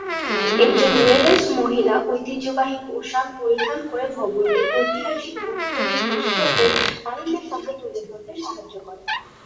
একজন ওয়েলশ মহিলা ঐতিহ্যবাহী পোশাক পরিধান করে ভবনটির ঐতিহাসিক গুরুত্ব কে বুঝতে ও মানুষের সামনে তুলে ধরতে সাহায্য করেন।